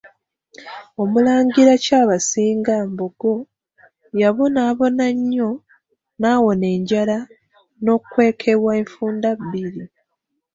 Omulangira Kyabasinga Mbogo, yabonaabona nnyo, n'awona enjala n'okwokebwa enfunda bbiri.